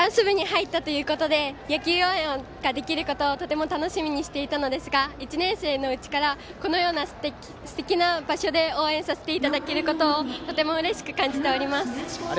ダンス部に入ったということで野球応援ができることをとても楽しみにしていたんですが１年生のうちからこのようなすてきな場所で応援させていただけることをとてもうれしく感じております。